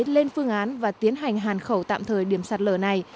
lên phương án và tiến hành hàn khẩu tạm thời điểm sạt lở này